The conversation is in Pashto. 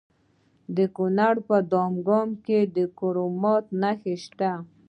د کونړ په دانګام کې د کرومایټ نښې شته.